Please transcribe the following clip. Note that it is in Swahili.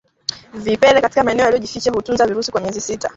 Vipele katika maeneo yaliyojificha hutunza virusi kwa miezi sita